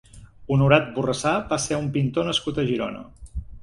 Honorat Borrassà va ser un pintor nascut a Girona.